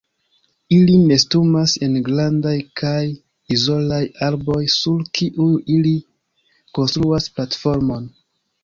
Ili nestumas en grandaj kaj izolaj arboj sur kiuj ili konstruas platformon.